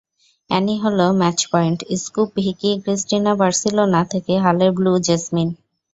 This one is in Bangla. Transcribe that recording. Annie Hall, Match Point, Scoop, Vicky Cristina Barcelona, থেকে হালের ব্লু জেসমিন।